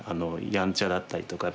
やんちゃだったりとか。